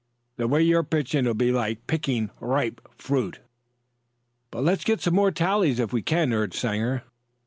The way you're pitching, it'll be like picking ripe fruit." "But let's get some more tallies if we can," urged Sanger.